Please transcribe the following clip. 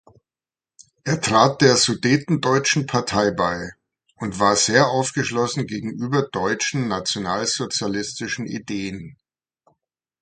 Er trat der Sudetendeutschen Partei bei und war sehr aufgeschlossen gegenüber deutschen nationalsozialistischen Ideen.